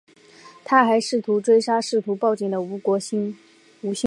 他还试图追杀试图报警的吴新国。